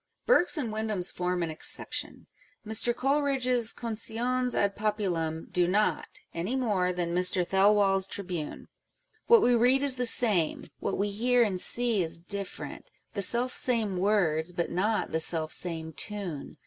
Burke's and Windham's form an exception : Mr. Coleridge's Condones ad Populnm do not, any more than Mr. Thelwall's Tribune. What we read is the same : what we hear and see is different â€" " the selfsame words, but not to the selfsame tune."